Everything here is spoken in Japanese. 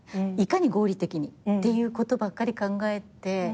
いかに合理的にっていうことばっかり考えて。